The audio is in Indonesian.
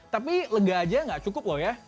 tapi lega aja nggak cukup loh ya